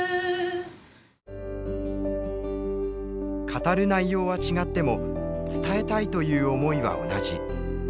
語る内容は違っても伝えたいという思いは同じ。